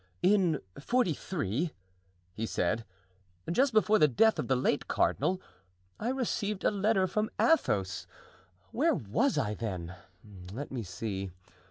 "In '43," he said, "just before the death of the late cardinal, I received a letter from Athos. Where was I then? Let me see.